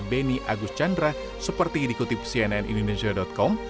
beni agus chandra seperti dikutip cnnindonesia com